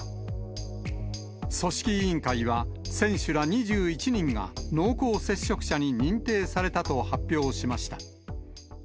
組織委員会は、選手ら２１人が濃厚接触者に認定されたと発表しました。